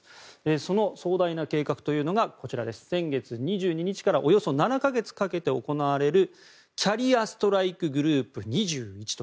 その壮大な計画というのが先月２２日からおよそ７か月かけて行われるキャリア・ストライク・グループ２１と。